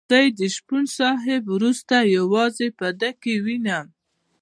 زه یې د شپون صاحب وروسته یوازې په ده کې وینم.